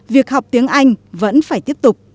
việc học tiếng anh vẫn phải tiếp tục